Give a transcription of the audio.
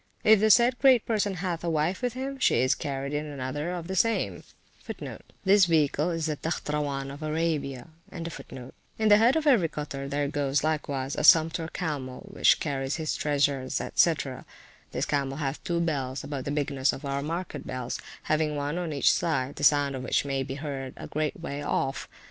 If the said great person hath a wife with him, she is carried in another of the same.[FN#44] In the head of every cottor there goes, likewise, a sumpter camel which carries his treasures, &c. This camel hath two bells, about the bigness of our market bells, having one on each side, the sound of which may be heard a great way off.